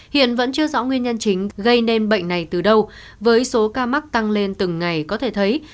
hiện vẫn chưa rõ nguyên nhân chính gây nên bệnh này từ đâu với số ca mắc tăng lên từng ngày có thể thấy